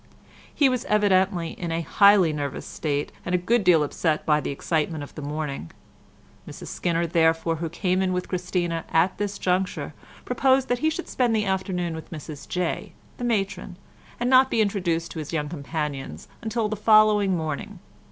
He was evidently in a highly nervous state, and a good deal upset by the excitement of the morning, Mrs Skinner therefore, who came in with Christina at this juncture, proposed that he should spend the afternoon with Mrs Jay, the matron, and not be introduced to his young companions until the following morning.